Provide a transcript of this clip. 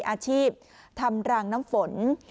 อาชีพทำรางน้ำฝน